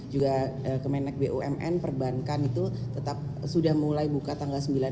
juga kemenek bumn perbankan itu tetap sudah mulai buka tanggal sembilan belas